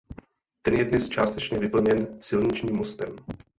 Ten je dnes částečně vyplněn silničním mostem.